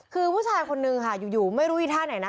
คือผู้ชายคนนึงค่ะอยู่ไม่รู้อีท่าไหนนะ